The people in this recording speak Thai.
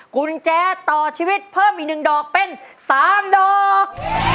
กุญแจต่อชีวิตเพิ่มอีก๑ดอกเป็น๓ดอก